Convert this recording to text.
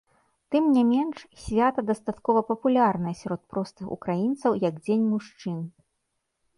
Тым не менш свята дастаткова папулярнае сярод простых украінцаў як дзень мужчын.